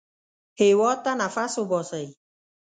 هېواد ته نفس وباسئ